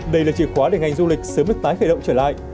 đây là chìa khóa để ngành du lịch sớm được tái khởi động trở lại